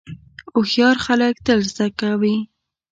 هوښیار خلک تل زده کوي.